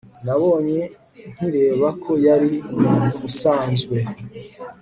nabonye nkireba ko yari umuntu usanzwe